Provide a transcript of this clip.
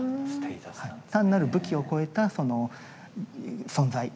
単なる武器を超えたその存在。